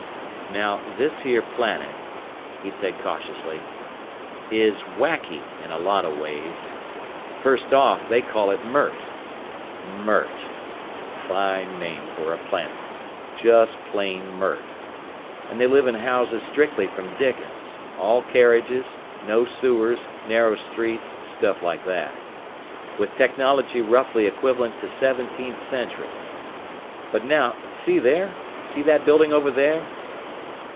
"Now this here planet," he said cautiously, "is whacky in a lot of ways. First off they call it Mert. Mert. Fine name for a planet. Just plain Mert. And they live in houses strictly from Dickens, all carriages, no sewers, narrow streets, stuff like that. With technology roughly equivalent to seventeenth century. But now see there, see that building over there?"